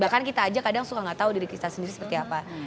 bahkan kita aja kadang suka nggak tahu diri kita sendiri seperti apa